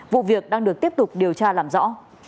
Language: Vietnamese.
vụ việc đang được tiếp tục điều tra làm rõ